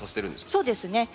そうですね。